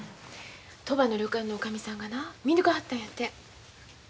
鳥羽の旅館の女将さんがな見抜かはったんやて。